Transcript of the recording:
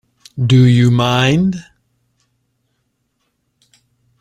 Do - you - mind?